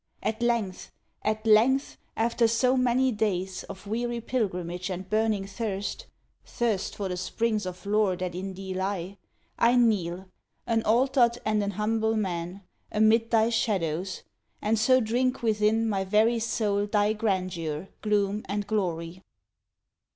At length at length after so many days Of weary pilgrimage and burning thirst, (Thirst for the springs of lore that in thee lie,) I kneel, an altered and an humble man, Amid thy shadows, and so drink within My very soul thy grandeur, gloom, and glory!